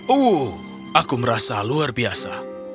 oh aku merasa luar biasa